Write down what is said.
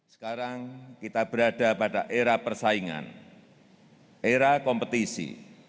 sekarang kita berada pada era persaingan era kompetisi